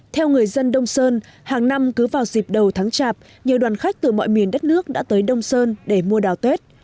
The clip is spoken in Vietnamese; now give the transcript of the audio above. theo người dân đông sơn hàng năm cứ vào dịp đầu tháng chạp nhiều đoàn khách từ mọi miền đất nước đã tới đông sơn để mua đào tết